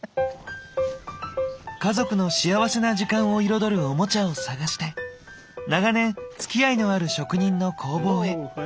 家族の幸せな時間を彩るオモチャを探して長年つきあいのある職人の工房へ。